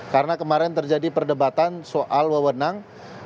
karena kemarin terjadi perdebatan soal wewenang